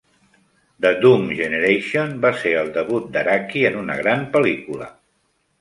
"The Doom Generation" va ser el debut d'Araki en una gran pel·lícula.